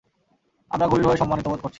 আমরা গভীরভাবে সম্মানিতবোধ করছি।